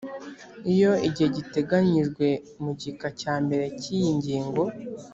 iyo igihe giteganyijwe mu gika cya mbere cy iyingingo